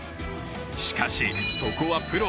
しかし、そこはプロ。